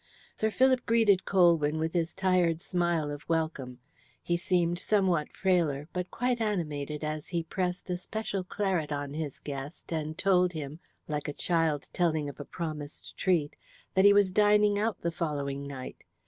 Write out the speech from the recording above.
Sir Philip greeted Colwyn with his tired smile of welcome. He seemed somewhat frailer, but quite animated as he pressed a special claret on his guest and told him, like a child telling of a promised treat, that he was dining out the following night.